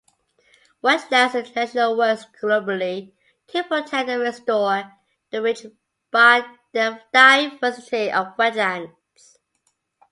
Wetlands International works globally to protect and restore the rich biodiversity of wetlands.